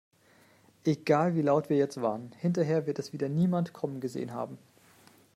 Egal wie laut wir jetzt warnen, hinterher wird es wieder niemand kommen gesehen haben.